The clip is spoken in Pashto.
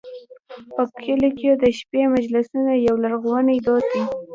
په کلیو کې د شپې مجلسونه یو لرغونی دود دی.